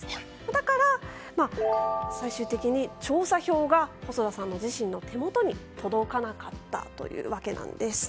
だから最終的に調査票が細田さん自身の手元に届かなかったというわけなんです。